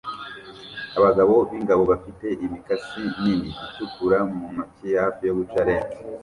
Abagabo b'ingabo bafite imikasi nini itukura mu ntoki hafi yo guca lente